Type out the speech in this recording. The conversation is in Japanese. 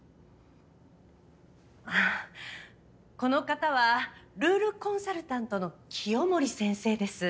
この方はルールコンサルタントの清守先生です。